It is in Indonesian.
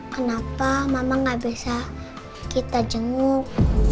kenapa mama gak bisa kita jenguk